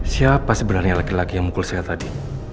siapa sebenarnya laki laki yang mukul sehat tadi